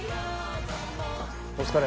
お疲れ。